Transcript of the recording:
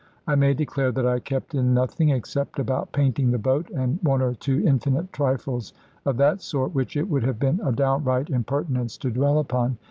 I may declare that I kept in nothing, except about painting the boat, and one or two infinite trifles of that sort, which it would have been a downright impertinence to dwell upon.